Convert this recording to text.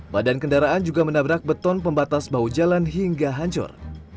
badan kendaraan juga menabrak beton pembatas bahu jalan hingga hancur